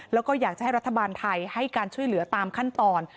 แล้วก็อยากจะให้รัฐบาลไทยให้การช่วยเหลือตามขั้นตอน